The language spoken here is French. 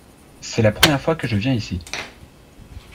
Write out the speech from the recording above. C’est la première fois que je viens ici.